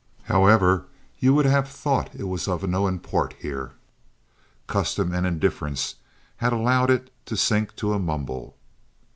However, you would have thought it was of no import here. Custom and indifference had allowed it to sink to a mumble.